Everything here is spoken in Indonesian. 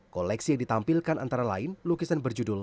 koleksi yang ditampilkan antara lain lukisan berjudul